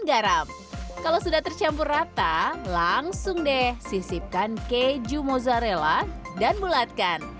garam kalau sudah tercampur rata langsung deh sisipkan keju mozzarella dan bulatkan